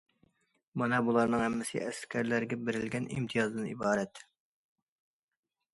مانا بۇلارنىڭ ھەممىسى ئەسكەرلەرگە بېرىلگەن ئىمتىيازدىن ئىبارەت.